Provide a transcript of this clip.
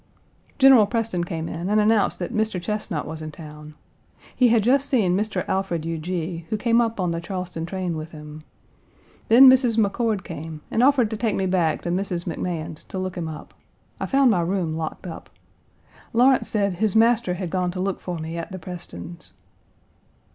General Preston came in and announced that Mr. Chesnut was in town. He had just seen Mr. Alfred Huger, who came up on the Charleston train with him. Then Mrs. McCord came and offered to take me back to Mrs. McMahan's to look him up. I found my room locked up. Lawrence said his master had gone to look for me at the Prestons'.